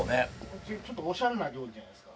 ちょっとオシャレな料理じゃないですか。